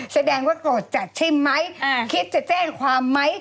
แสดงว่าโกรธจัดใช่ไหมคิดจะแจ้งความไหม